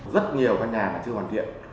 rất nhiều căn nhà mà chưa hoàn thiện